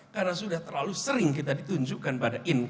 karena sudah terlalu sering kita ditunjukkan pada inkonsistensi